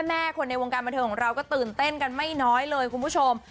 แม่คนในวงการบันเทิงของเราก็ตื่นเต้นกันไม่น้อยเลยคุณผู้ชม